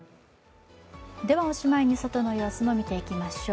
ではおしまいに外の様子を見ていきましょう。